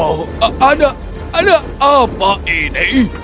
oh ada ada apa ini